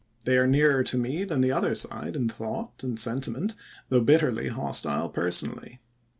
They are nearer to me than the other side in thought and sentiment, though bit terly hostile personally.